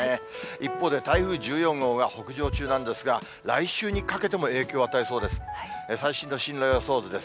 一方で台風１４号が北上中なんですが、来週にかけても影響を与えそうです。